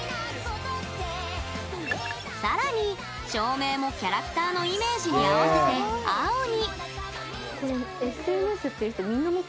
さらに照明もキャラクターのイメージに合わせて青に。